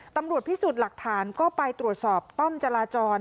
ตำรวจพิสูจน์หลักฐานก็ไปตรวจสอบป้อมจราจร